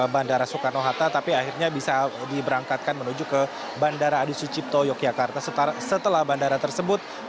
bandara soekarno hatta tapi akhirnya bisa diberangkatkan menuju ke bandara adi sucipto yogyakarta setelah bandara tersebut